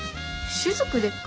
滴でっか？